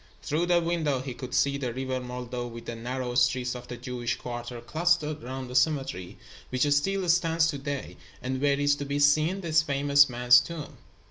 Through the window he could see the River Moldau with the narrow streets of the Jewish quarter clustered around the cemetery, which still stands to day, and where is to be seen this famous man's tomb.